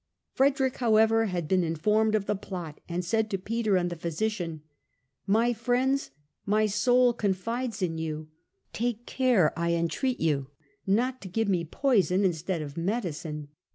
Frederick, however, had been informed of the plot, and said to Peter and the physician :" My friends, my soul confides in you : take care, I entreat you, not to give me poison instead of medicine."